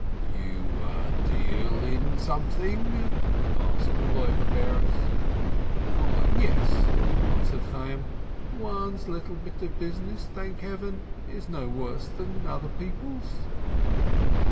"You deal in something?" asked Loibe Bares. "Why, yes," answered Chayyim. "One's little bit of business, thank Heaven, is no worse than other peo ple's!"